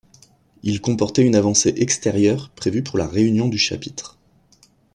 Il comportait une avancée extérieure prévue pour la réunion du chapitre.